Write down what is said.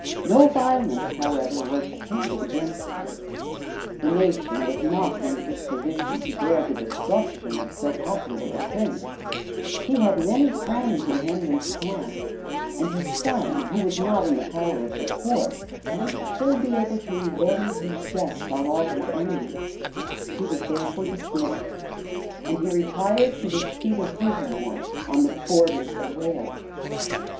No violence, however, was attempted against him: the nation was not in a disposition to bear the destruction of so popular a prince: he had many friends in Henry's camp; and his son, who was not in the power of the court, might still be able to revenge his death on all his enemies: he was therefore dismissed; and he retired to his seat of Wigmore, on the borders of Wales.